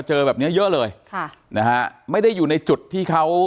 อ๋อเจ้าสีสุข่าวของสิ้นพอได้ด้วย